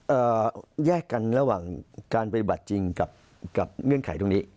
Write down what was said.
แยกกันระหว่างการปฏิบัติจริงกับกับเงื่อนไขตรงนี้